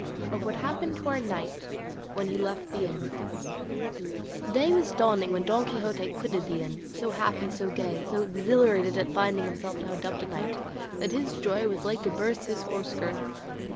OF WHAT HAPPENED TO OUR KNIGHT WHEN HE LEFT THE INN Day was dawning when Don Quixote quitted the inn, so happy, so gay, so exhilarated at finding himself now dubbed a knight, that his joy was like to burst his horse girths.